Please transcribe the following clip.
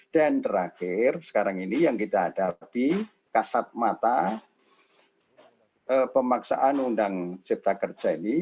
dan terakhir sekarang ini yang kita hadapi kasat mata pemaksaan undang undang cipta kerja ini